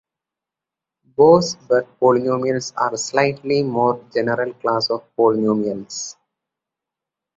Boas-Buck polynomials are a slightly more general class of polynomials.